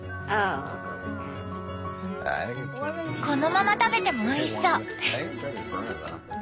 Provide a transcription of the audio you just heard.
このまま食べてもおいしそう！